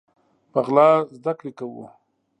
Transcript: په غلا زده کړي کوو